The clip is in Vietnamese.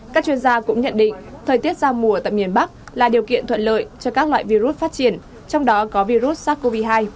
các chuyên gia cũng nhận định thời tiết giao mùa tại miền bắc là điều kiện thuận lợi cho các loại virus phát triển trong đó có virus sars cov hai